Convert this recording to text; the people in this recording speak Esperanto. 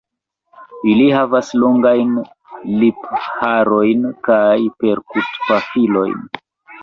Ili havas longajn lipharojn kaj perkutpafilojn.